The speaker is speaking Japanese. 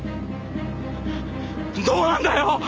どうなんだよ！